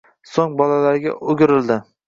So'ng bolalarga o'girildi.